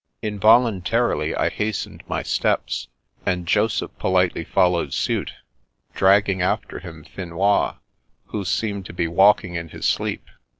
Involuntarily I hastened my steps, and Joseph politely followed suit, dragging after him Finois, who seemed to be walking in his sleep.